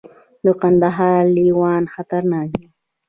د کندهار لیوان خطرناک دي